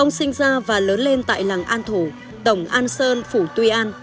ông sinh ra và lớn lên tại làng an thổ tổng an sơn phủ tuy an